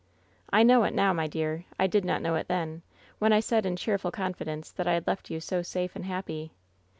" *I know it now, my dear ! I did not know it then, when I said in cheerful confidence that I had left you so safe and happy.